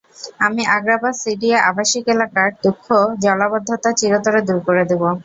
আমি আগ্রাবাদ সিডিএ আবাসিক এলাকার দুঃখ জলাবদ্ধতা চিরতরে দূর করে দেব।